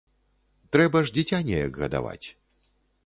Трэба ж дзіця неяк гадаваць.